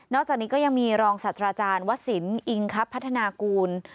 นอกจากนี้ก็ยังมีรองสัตว์อาจารย์วัศสินอิงพัฒนากูล